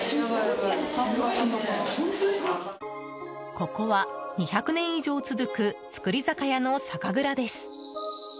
ここは２００年以上続く造り酒屋の酒蔵です。